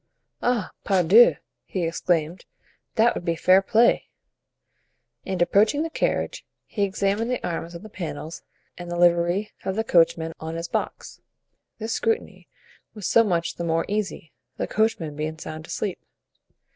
"Ah, pardieu!" he exclaimed; "that would be fair play." And approaching the carriage, he examined the arms on the panels and the livery of the coachman on his box. This scrutiny was so much the more easy, the coachman being sound asleep.